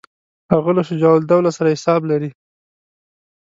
هغه له شجاع الدوله سره حساب لري.